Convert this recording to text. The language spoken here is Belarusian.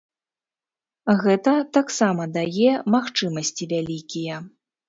Гэта таксама дае магчымасці вялікія.